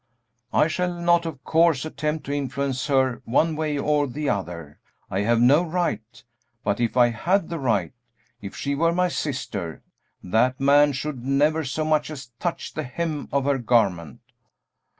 "I shall not, of course, attempt to influence her one way or the other. I have no right; but if I had the right, if she were my sister, that man should never so much as touch the hem of her garment!"